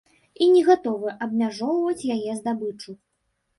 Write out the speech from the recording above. І не гатовы абмяжоўваць яе здабычу.